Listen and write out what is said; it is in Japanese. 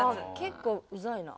結構うざいな。